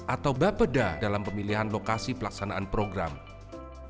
atau bapeda dalam pemilihan lokasi pelaksanaan program